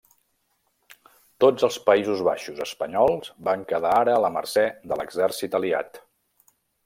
Tots els Països Baixos Espanyols van quedar ara a la mercè de l'exèrcit aliat.